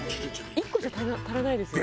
１個じゃ足らないですよね。